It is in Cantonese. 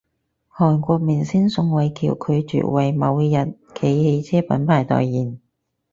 韓國明星宋慧喬拒絕爲某日企汽車品牌代言